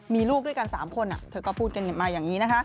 มีลูกด้วยกัน๓คนเธอก็พูดกันมาอย่างนี้นะคะ